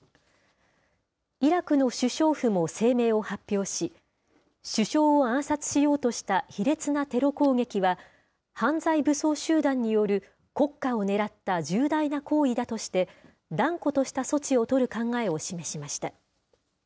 イラクの首相府も声明を発表し、首相を暗殺しようとした卑劣なテロ攻撃は、犯罪武装集団による国家を狙った重大な行為だとして、断固とした措置を取る考えを示しました。